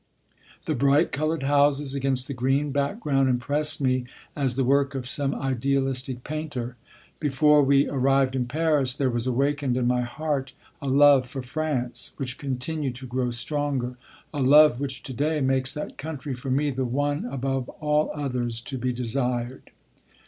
The bright colored houses against the green background impressed me as the work of some idealistic painter. Before we arrived in Paris, there was awakened in my heart a love for France which continued to grow stronger, a love which to day makes that country for me the one above all others to be desired.